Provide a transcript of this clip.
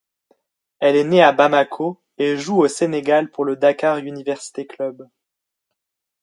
Elle est née à Bamako et joue au Sénégal pour le Dakar Université Club.